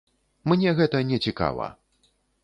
Мне гэта не цікава!